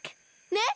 ねっ？